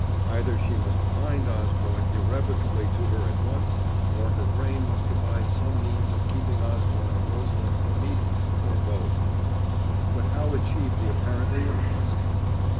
Either she must bind Osborne irrevocably to her at once, or her brain must devise some means of keeping Osborne and Rosalind from meeting or both. But how achieve the apparently impossible?